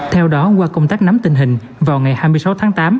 theo đó qua công tác nắm tình hình vào ngày hai mươi sáu tháng tám